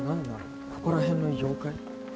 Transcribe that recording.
ここら辺の妖怪？